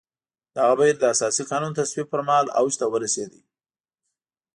دغه بهیر د اساسي قانون تصویب پر مهال اوج ته ورسېد.